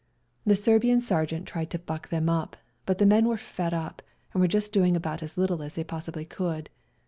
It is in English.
The Serbian ser geant tried to buck them up, but the men were fed up and were just doing about as little as they possibly could.